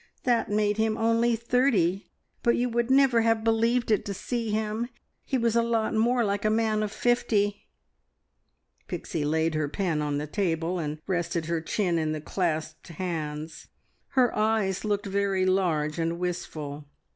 That made him only thirty, but you would never have believed it to see him. He was a lot more like a man of fifty." Pixie laid her pen on the table, and rested her chin in the clasped hands. Her eyes looked very large and wistful.